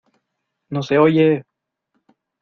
¡No se oye!